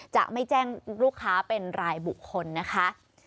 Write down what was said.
จะไม่แจ้งลูกค้าเป็นรายบุคคลนะคะ